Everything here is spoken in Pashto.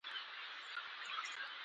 وچ زړه لانده سترګې دي.